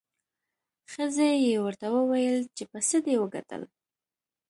ښځې یې ورته وویل چې په څه دې وګټل؟